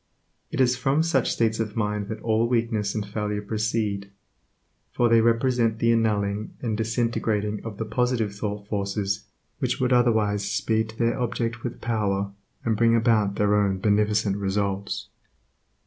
It is from such states of mind that all weakness and failure proceed, for they represent the annulling and disintegrating of the positive thought forces which would otherwise speed to their object with power, and bring about their own beneficent results.